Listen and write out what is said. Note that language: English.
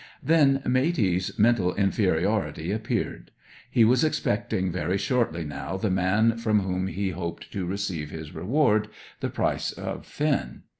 Then Matey's mental inferiority appeared. He was expecting very shortly now the man from whom he hoped to receive his reward the price of Finn.